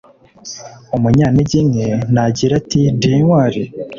umunyantege nke nagire ati ’Ndi intwari!’